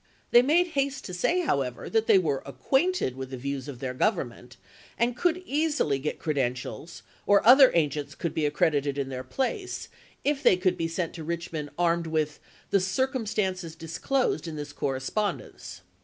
They made haste to say, however, that they were acquainted with the views of their Government, and could easily get credentials, or other agents could be accredited in their place, if they could be sent to Richmond armed with " the circumstances dis closed in this correspondence."